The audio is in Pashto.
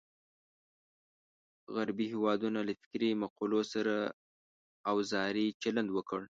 غربي هېوادونو له فکري مقولو سره اوزاري چلند وکړ.